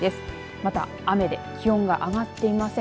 また、雨で気温が上がっていません。